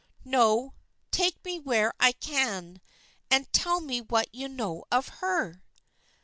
"No; take me where I can, and tell me what you know of her."